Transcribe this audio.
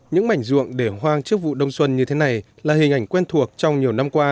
những mảnh ruộng để hoang trước vụ đông xuân như thế này là hình ảnh quen thuộc trong nhiều năm qua